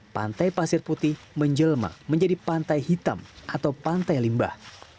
pantai pasir putih menjelma menjadi pantai hitam atau pantai limbah